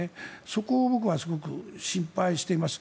そこを僕はすごく心配しています。